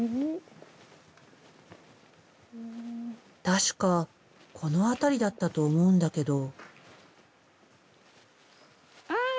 確かこの辺りだったと思うんだけど。